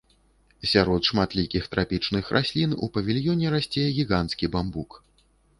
Сярод шматлікіх трапічных раслін, у павільёне расце гіганцкі бамбук.